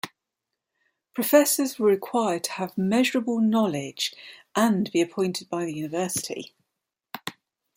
Professors were required to have measurable knowledge and be appointed by the university.